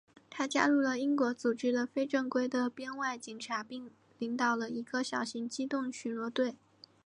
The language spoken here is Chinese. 他加入了英国组织的非正规的编外警察并领导了一个小型机动巡逻队。